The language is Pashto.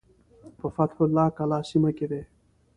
په فتح الله کلا سیمه کې دی.